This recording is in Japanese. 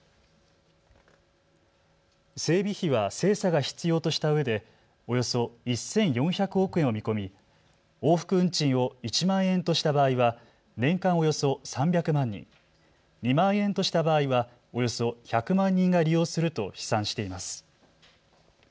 整備費は精査が必要としたうえでおよそ１４００億円を見込み往復運賃を１万円とした場合は年間およそ３００万人、２万円とした場合はおよそ１００万人が利用すると試算しています。